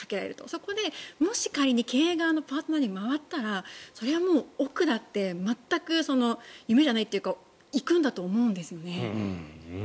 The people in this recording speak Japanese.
そこでもし、仮に経営側のパートナーに回ったらそれだったら億だって全く夢じゃないというか行くんだと思うんです。